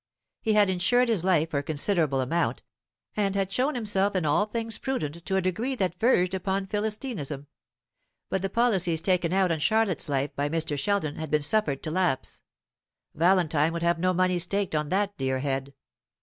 He had insured his life for a considerable amount, and had shown himself in all things prudent to a degree that verged upon Philistinism. But the policies taken out on Charlotte's life by Mr. Sheldon had been suffered to lapse. Valentine would have no money staked on that dear head.